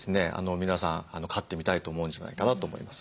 皆さん飼ってみたいと思うんじゃないかなと思います。